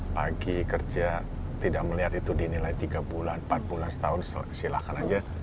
pagi kerja tidak melihat itu dinilai tiga bulan empat bulan setahun silahkan aja